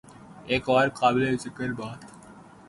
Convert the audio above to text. ایک اور بات قابل ذکر ہے۔